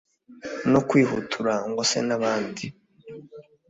no kwihutura ngo ase n'abandi